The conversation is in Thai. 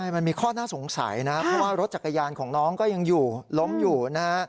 มันมีข้อน่าสงสัยนะเพราะว่ารถจักรยานของน้องก็ยังอยู่ล้มอยู่นะฮะ